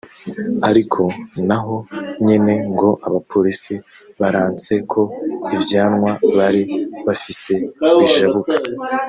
ariko na ho nyene ngo abapolisi baranse ko ivyamwa bari bafise bijabuka